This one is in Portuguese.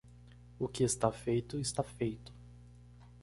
O que está feito está feito